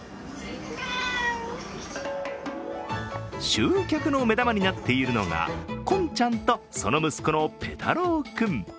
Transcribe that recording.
集客の目玉になっているのがコンちゃんとその息子のペタ郎君。